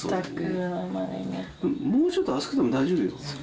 もうちょっと厚くても大丈夫よ。